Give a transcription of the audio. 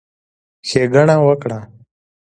ښېګڼه وکړه،